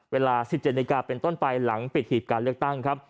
เวลา๑๗นาฬิกาเป็นต้นไปหลังปิดหีบการเลือกตั้งครับ